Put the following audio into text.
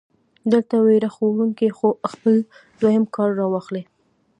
دلته وېره خوروونکے خپل دويم کارډ راواخلي -